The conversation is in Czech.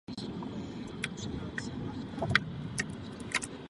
Na strategii v rámci všech orgánů Evropské unie?